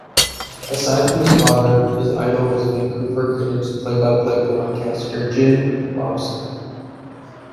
Aside from his father, his idol was Vancouver Canucks play-by-play broadcaster Jim Robson.